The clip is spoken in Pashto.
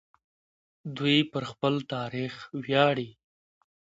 دوی په خپل تاریخ ویاړي.